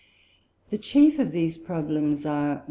The chief of these Problems are, 1.